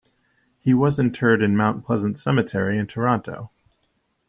He was interred in Mount Pleasant Cemetery in Toronto.